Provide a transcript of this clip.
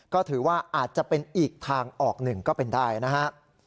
ก็ถือว่าอาจจะเป็นอีกทางออกหนึ่งก็เป็นได้นะฮะ